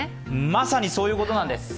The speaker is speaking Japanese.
まさにそういうことなんです。